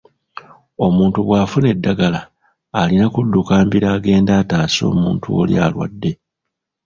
Omuntu bw'afuna eddagala, alina kudduka mbiro agende ataase omuntu oli alwadde.